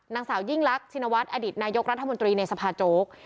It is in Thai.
นางสาวยิ่งรักชินวัฒน์อดีตนายกรัฐมนตรีในสภาโจ๊ก